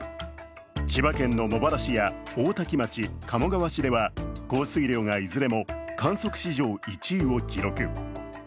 千葉県の茂原市や大多喜町、鴨川市では降水量がいずれも、観測史上１位を記録。